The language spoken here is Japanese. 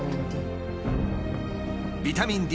ビタミンＤ。